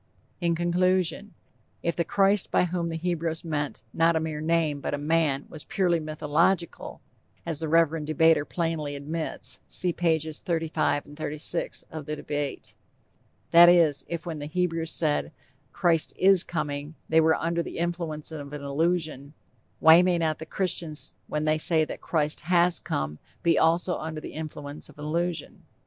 _ In conclusion: If the 'Christ' by whom the Hebrews meant, not a mere name, but a man, was "purely mythological," as the reverend debater plainly admits (see pages 35, 36 of The Debate) that is, if when the Hebrews said: "Christ is coming," they were under the influence of an illusion, why may not the Christians when they say that 'Christ' has come, be also under the influence of an illusion?